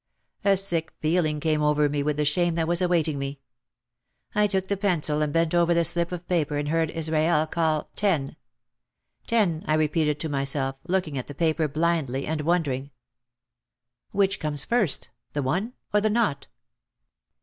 A sick feeling came over me with the shame that was awaiting me. I took the pencil and bent over the slip of paper and heard Israel call "10." Ten, I repeated to myself, looking at the paper blindly, and wondering, "Which comes first, the one or the nought